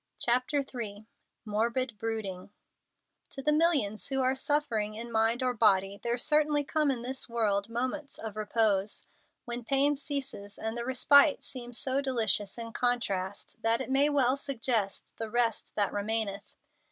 CHAPTER III MORBID BROODING To the millions who are suffering in mind or body there certainly come in this world moments of repose, when pain ceases; and the respite seems so delicious in contrast that it may well suggest the "rest that remaineth."